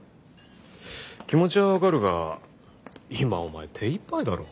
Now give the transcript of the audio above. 気持ちは分かるが今お前手いっぱいだろう？